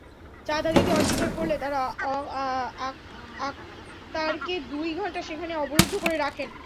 চাঁদা দিতে অস্বীকার করলে তাঁরা আকতারকে দুই ঘণ্টা সেখানে অবরুদ্ধ করে রাখেন।